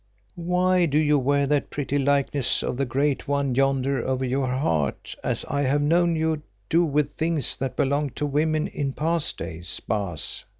"Why do you wear that pretty likeness of the Great One yonder over your heart, as I have known you do with things that belonged to women in past days, Baas?